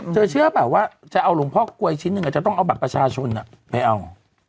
ถ้าแบบว่าจะเอาหลวงพ่อกลัวอีกชิ้นหนึ่งอ่ะจะต้องเอาบัตรประชาชนอ่ะไม่เอา